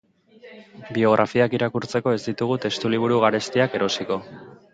Biografiak irakurtzeko ez ditugu testuliburu garestiak erosiko.